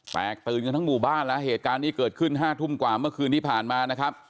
แตกตื่นกันทั้งหมู่บ้านแล้วเหตุการณ์นี้เกิดขึ้น๕ทุ่มกว่าเมื่อคืนที่ผ่านมานะครับ